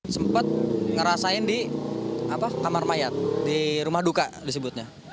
sempat ngerasain di kamar mayat di rumah duka disebutnya